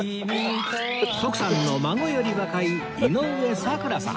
徳さんの孫より若い井上咲楽さん